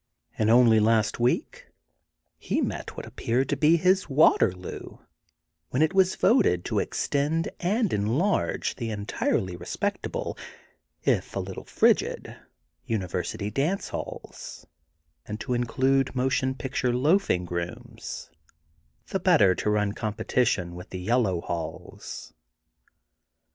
And only last week he met what kppear^d to be his Waterloo when it was voted to extend and enlarge the entirely re spectable, if a little frigid, university dance halls and to include motion picture loafing rooms, the better to run competition with the Yellow Halls.